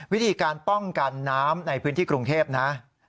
วิธีการป้องกันน้ำในพื้นที่กรุงเทพนะ